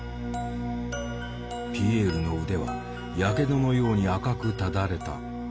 ピエールの腕はやけどのように赤くただれた。